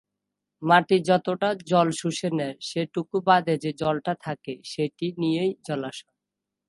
মাটি যতটা জল শুষে নেয় সেটুকু বাদে যে জলটা থাকে সেইটে নিয়েই জলাশয়।